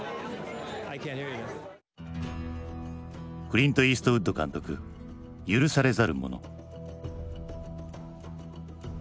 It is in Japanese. クリント・イーストウッド監督「許されざる者」。